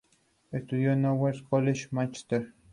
Estudió en el Owens College de Mánchester.